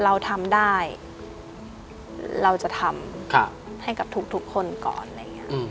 เราทำได้เราจะทำค่ะให้กับทุกทุกคนก่อนอะไรอย่างเงี้ยอืม